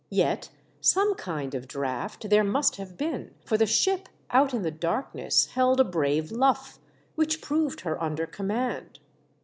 Yet some kind of draught there must have been, for the ship out in the darkness held a brave luff, which proved her under command.